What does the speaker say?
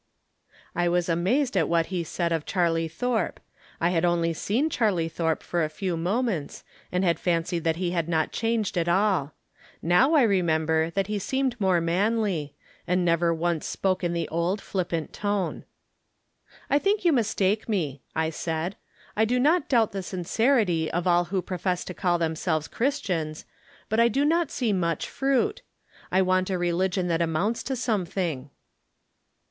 I was amazed at what he said of Charley Thorpe. I had only seen Charley Thorpe for a few moments, and had fancied that he had not changed at all. Now I remember that he seemed more manly, and never once spoke in the old flippant tone. " I think you mistake me," I said. " I do not doubt the sincerity of all who profess to call themselves Christians. But I do not see much fruit. I want a religion that amounts to some thing."